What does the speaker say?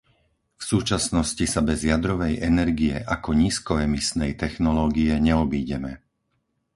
V súčasnosti sa bez jadrovej energie, ako nízkoemisnej technológie, neobídeme.